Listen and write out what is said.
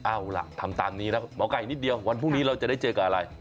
เอาล่ะทำตามนี้นะหมอไก่นิดเดียววันพรุ่งนี้เราจะได้เจอกับอะไร